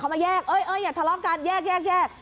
เขามาแยกเอ้ยอย่าทะเลาะกันแยก